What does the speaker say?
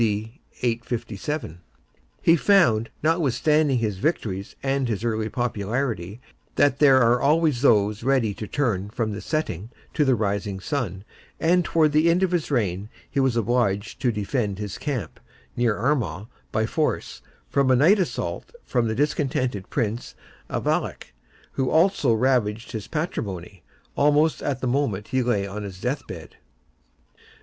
D. 857). He found, notwithstanding his victories and his early popularity, that there are always those ready to turn from the setting to the rising sun, and towards the end of his reign he was obliged to defend his camp, near Armagh, by force, from a night assault of the discontented Prince of Aileach; who also ravaged his patrimony, almost at the moment he lay on his death bed.